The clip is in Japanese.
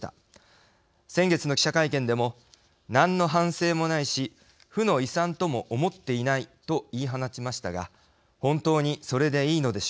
先月の記者会見でも何の反省もないし負の遺産とも思っていないと言い放ちましたが本当にそれでいいのでしょうか。